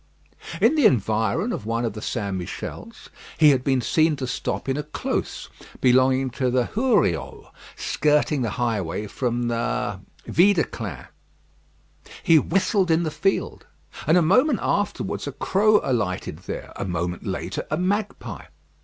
In the environs of one of the St. Michels, he had been seen to stop in a close belonging to the Huriaux, skirting the highway from the Videclins. He whistled in the field, and a moment afterwards a crow alighted there; a moment later, a magpie.